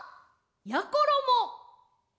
やころも！